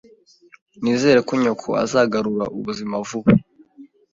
Nizere ko nyoko azagarura ubuzima vuba